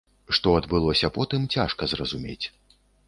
Што адбылося потым цяжка зразумець.